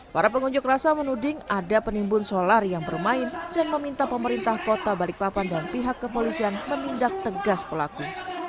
para pengunjuk rasa menuding ada penimbun solar yang bermain dan meminta pemerintah kota balikpapan dan pihak kepolisian menindak tegas pelaku